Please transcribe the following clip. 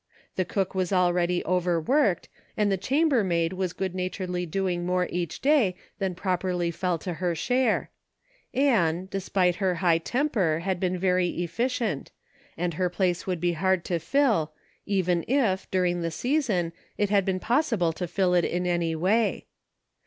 ■* The cook was already overworked, and the chamber maid was good naturedly doing more each day than properly fell to her share ; Ann, despite her high temper, had been very efficient, and her place would be hard to fill, even if, during the season, it had been possible to fill it in any way.